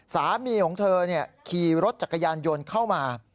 สามีของเธอขี่รถจักรยานยนต์เข้ามา